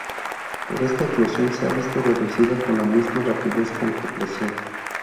Pero esta eclosión se ha visto reducida con la misma rapidez con que creció.